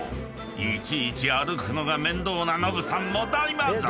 いちいち歩くのが面倒なノブさんも大満足！］